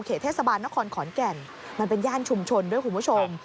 เทศบาลนครขอนแก่นมันเป็นย่านชุมชนด้วยคุณผู้ชม